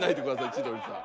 千鳥さん。